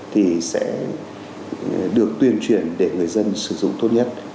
thì sẽ được tuyên truyền để người dân sử dụng tốt nhất